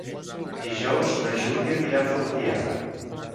Dijous na Júlia anirà a Fortià.